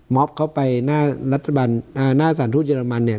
ม็อบเข้าไปหน้ารัฐบาลอ่าหน้าสถานธุรกิจรรมันเนี่ย